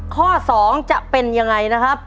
ข้อ๒จะเป็นยังไงนะครับ